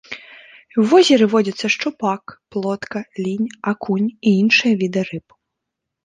У возеры водзяцца шчупак, плотка, лінь, акунь і іншыя віды рыб.